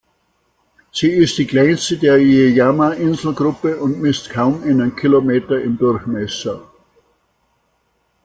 Sie ist die kleinste der Yaeyama-Inselgruppe und misst kaum einen Kilometer im Durchmesser.